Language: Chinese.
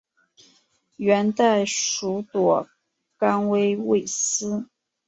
元代属朵甘宣慰司。